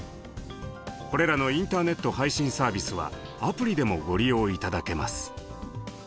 これらのインターネット配信サービスはアプリでもご利用頂けます。